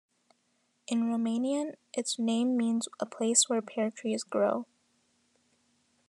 In Romanian, its name means "a place where pear trees grow".